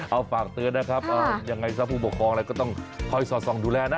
เอาฝากเตือนนะครับยังไงซะผู้ปกครองอะไรก็ต้องคอยสอดส่องดูแลนะ